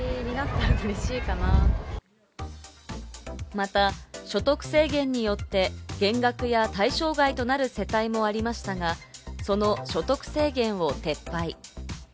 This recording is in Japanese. また、所得制限によって減額や対象外となる世帯もありましたが、その所得制限を撤廃。